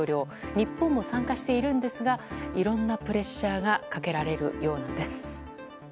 日本も参加しているんですがいろんなプレッシャーがかけられるようなんです。